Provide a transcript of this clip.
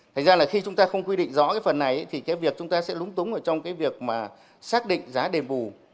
thành ra khi chúng ta không quy định rõ phần này thì việc chúng ta sẽ lúng túng trong việc xác định giá đền bù